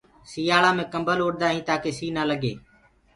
سيآݪآ مي ڪمبل اُڏآ هينٚ تآڪي سي نآ لگي۔